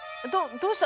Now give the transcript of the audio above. どうした？